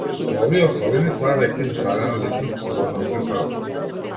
Со овие особини, тој е веќе изградена личност, возрасен човек.